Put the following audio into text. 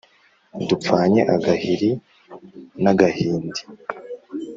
dupfanye agahiri n’agahindi